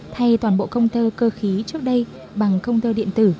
thay toàn bộ công tơ cơ khí trước đây bằng công tơ điện tử